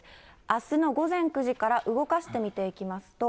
あすの午前９時から動かして見ていきますと。